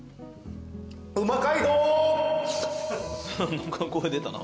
何か声出たな。